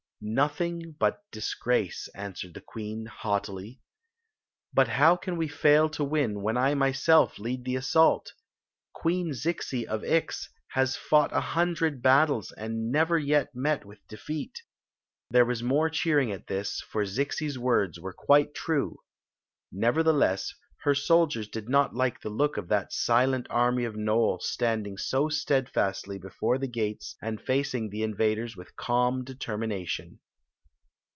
"Nothing but di^race," answered the queen, .haughtily. "But how can we fail to win when I myself lead the assault ? Queen Zixi of Ix has fought a hundred battles and never yet mei with defeat!" There was more cheering at this, for Zixi s wonb were quite ^ Ne^^a^ess, her addiers did not looir ei Mmt sflent army of Nole standing so stea^dy before the gates and feeing die invaders with calm determination.